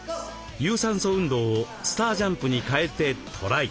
有酸素運動をスター・ジャンプに変えてトライ。